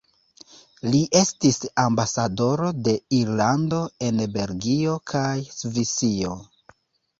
Li estis ambasadoro de Irlando en Belgio kaj Svisio.